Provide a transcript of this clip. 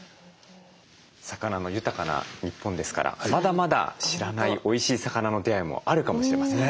魚の豊かな日本ですからまだまだ知らないおいしい魚の出会いもあるかもしれません。